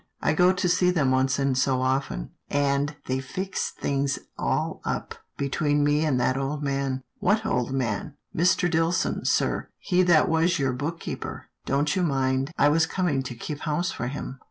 I go and see them once in so often, and they fixed things all up between me and that old man." " What old man?" " Mr. Dillson, sir, — he that was your book keeper. Don't you mind, I was coming to keep house for him?